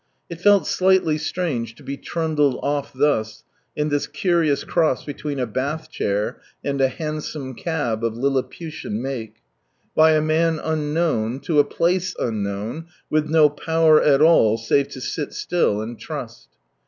It felt slightly strange to be trundled off thus, in this curious cross between a bath chair and a hansom cab of liliputian make ; by a man unknown, to a place unknown, with no power at all, save to sit still, and trust.